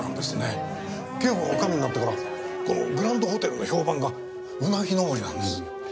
啓子が女将になってからこのグランドホテルの評判がうなぎ登りなんです。